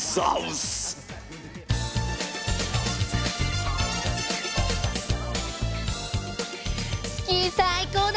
スキー最高だね！